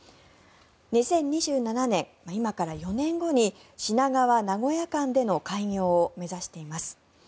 ２０２７年、今から４年後に品川名古屋間での開業を目指しています。